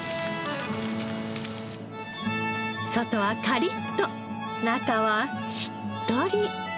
外はカリッと中はしっとり。